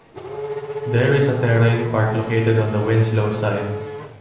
There is a terrain park located on the Winslow side.